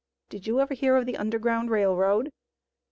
"Did you ever hear of the Underground Rail Road?"